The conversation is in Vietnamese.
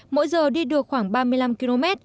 mỗi giờ đi được khoảng ba mươi năm km